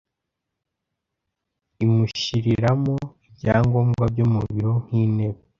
imushyiriramo ibyangombwa byo mu biro nk’intebe